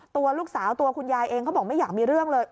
ตัวลูกสาวตัวคุณยายเองเขาบอกไม่อยากมีเรื่องเลย